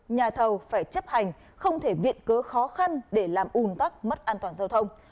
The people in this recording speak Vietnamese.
nhà thầu phải chấp hành không thể viện cớ khó khăn để làm ủn tắc mất an toàn giao thông